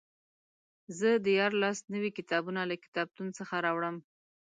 زه دیارلس نوي کتابونه له کتابتون څخه راوړم.